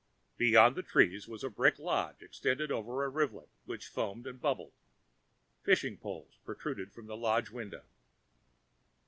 Beyond the trees was a brick lodge, extended over a rivulet which foamed and bubbled. Fishing poles protruded from the lodge window.